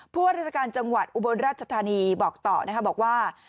ว่าราชการจังหวัดอุบลราชธานีบอกต่อนะคะบอกว่า